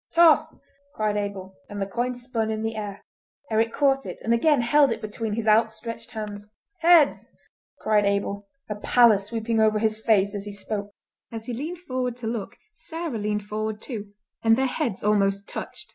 "Toss!" cried Abel, and the coin spun in the air. Eric caught it, and again held it between his outstretched hands. "Heads!" cried Abel, a pallor sweeping over his face as he spoke. As he leaned forward to look Sarah leaned forward too, and their heads almost touched.